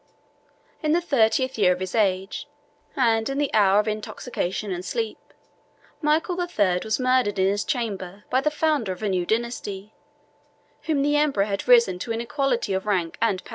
In the thirtieth year of his age, and in the hour of intoxication and sleep, Michael the Third was murdered in his chamber by the founder of a new dynasty, whom the emperor had raised to an equality of rank and power.